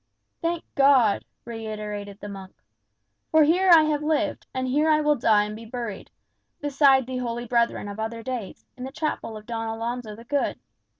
"Thank God!" reiterated the old monk. "For here I have lived; and here I will die and be buried, beside the holy brethren of other days, in the chapel of Don Alonzo the Good.